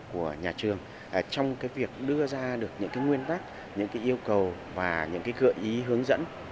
của nhà trường trong việc đưa ra được những nguyên tắc những yêu cầu và những gợi ý hướng dẫn